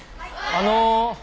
あの。